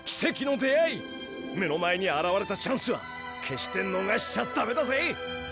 目の前にあらわれたチャンスは決してのがしちゃだめだぜ！